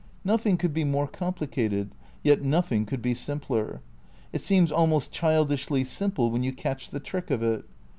Nothing could be more complicated, yet nothing could be simpler. It seems almost childishly simple when you catch the trick of it.